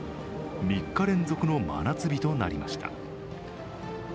３日連続の真夏日となりました。